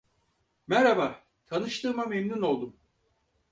Merhaba, tanıştığıma memnun oldum.